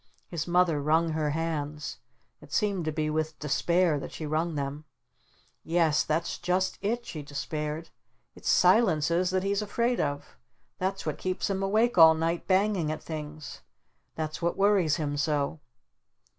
His Mother wrung her hands. It seemed to be with despair that she wrung them. "Yes that's just it," she despaired. "It's 'Silences' that he's afraid of! That's what keeps him awake all night banging at things! That's what worries him so!"